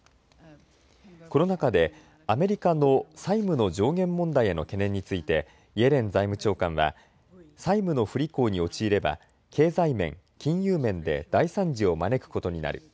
この中でアメリカの債務の上限問題への懸念についてイエレン財務長官は債務の不履行に陥れば経済面、金融面で大惨事を招くことになる。